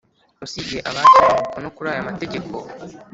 Usibye abashyize umukono kuri aya mategeko